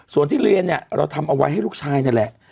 ส่วนที่เรียนเนี่ยเราทำเอาไว้ให้ลูกชายนั่นแหละ